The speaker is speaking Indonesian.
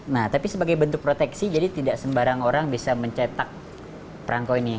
nah tapi sebagai bentuk proteksi jadi tidak sembarang orang bisa mencetak perangko ini